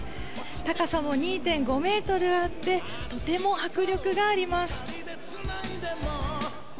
高さも２．５ｍあってとても迫力があります。